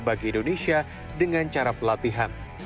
bagi indonesia dengan cara pelatihan